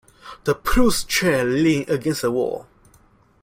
The plush chair leaned against the wall.